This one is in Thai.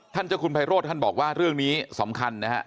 เจ้าคุณไพโรธท่านบอกว่าเรื่องนี้สำคัญนะฮะ